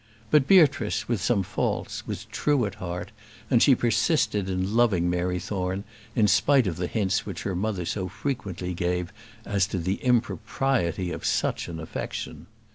But Beatrice, with some faults, was true at heart, and she persisted in loving Mary Thorne in spite of the hints which her mother so frequently gave as to the impropriety of such an affection.